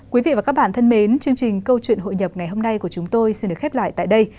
quý vị và các bạn thân mến chương trình câu chuyện hội nhập ngày hôm nay của chúng tôi xin được khép lại tại đây